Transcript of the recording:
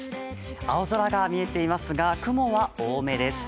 青空が見えていますが、雲は多めです。